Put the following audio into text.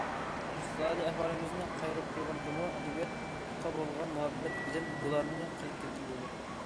ئىقتىسادىي ئەھۋالىمىزنى قايرىپ قويغاندىمۇ ئەدەبىياتقا بولغان مۇھەببەت بىلەن بۇلارنى قىلىپ كەتكىلى بولىدۇ.